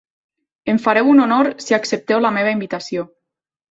Em fareu un honor si accepteu la meva invitació.